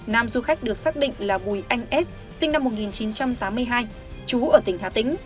nam du khách được xác định là bùi anh s sinh năm một nghìn chín trăm tám mươi hai chú ở tỉnh hà tĩnh